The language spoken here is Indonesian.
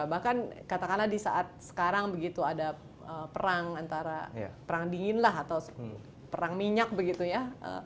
bahkan katakanlah di saat sekarang begitu ada perang antara perang dingin lah atau perang minyak begitu ya